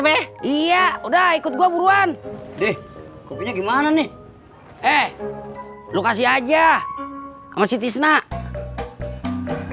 me iya udah ikut gua buruan deh kopinya gimana nih eh lu kasih aja mau sitis nak